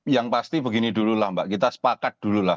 yang pasti begini dulu lah mbak kita sepakat dulu lah